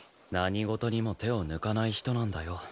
何事にも手を抜かない人なんだよ。